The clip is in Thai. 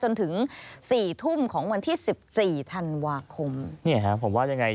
จนถึงสี่ทุ่มของวันที่สิบสี่ธันวาคมเนี่ยฮะผมว่ายังไง